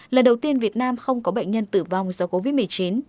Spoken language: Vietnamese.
lần đầu tiên việt nam không có bệnh nhân tử vong do covid một mươi chín